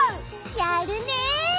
やるねえ！